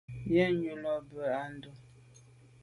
Yen ju là be à ndù.